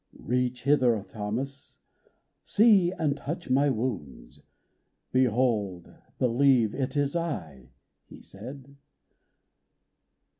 "Reach hither, Thomas ! see and touch my wounds. Behold ! believe that it is I," He said.